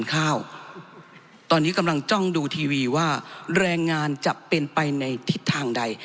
ข้าวตอนนี้กำลังจ้องดูทีวีว่าแรงงานจะเป็นไปในทิศทางใด